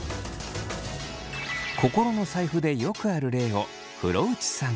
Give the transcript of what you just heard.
心の財布でよくある例を風呂内さんから。